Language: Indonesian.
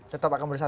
tetap akan bersatu